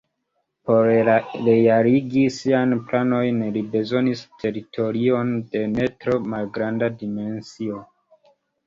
Por realigi siajn planojn li bezonis teritorion de ne tro malgranda dimensio.